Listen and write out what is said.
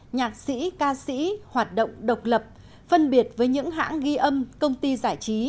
nhạc sĩ ca sĩ hoạt động độc lập phân biệt với những hãng ghi âm công ty giải trí